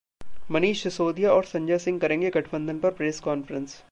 मनीष सिसोदिया और संजय सिंह करेंगे गठबंधन पर प्रेस कॉन्फ्रेंस